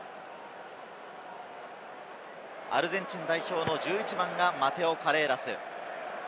アルゼンチン代表の１１番がマテオ・カレーラス。